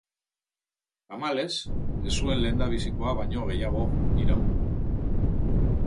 Tamalez, ez zuen lehendabizikoa baino gehiago iraun.